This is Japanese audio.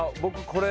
これ